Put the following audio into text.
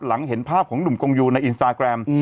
หลังเห็นภาพของหนุ่มกงยูในอินสตาแกรม